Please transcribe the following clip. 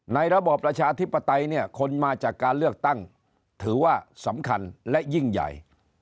ระบอบประชาธิปไตยเนี่ยคนมาจากการเลือกตั้งถือว่าสำคัญและยิ่งใหญ่